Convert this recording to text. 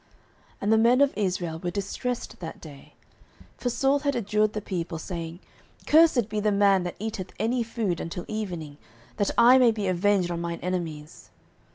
09:014:024 And the men of Israel were distressed that day: for Saul had adjured the people, saying, Cursed be the man that eateth any food until evening, that I may be avenged on mine enemies.